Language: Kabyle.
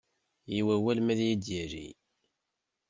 I wawal ma ad iyi-d-yali.